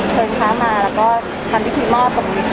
พยายามเชิญค้ามาทำพ